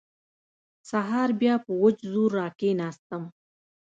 سهار بيا په وچ زور راکښېناستم.